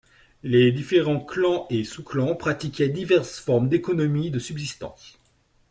Les différents clans et sous-clans pratiquaient diverses formes d’économie de subsistance.